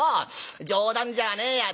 冗談じゃねえや。